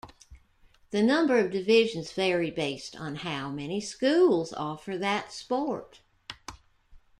The number of divisions vary based on how many schools offer that sport.